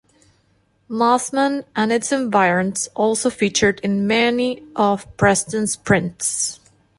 Mosman and its environs also featured in many of Preston's prints.